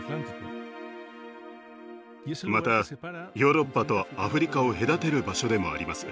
またヨーロッパとアフリカを隔てる場所でもあります。